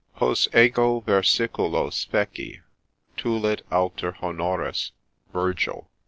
Hos ego versiculos feci, tulit alter honores. — VIRGIL.